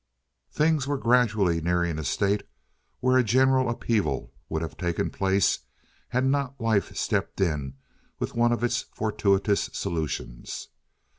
Things were gradually nearing a state where a general upheaval would have taken place had not life stepped in with one of its fortuitous solutions.